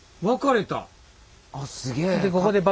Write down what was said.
あっすげえ。